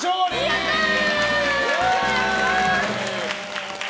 やったー！